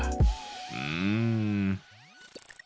うん。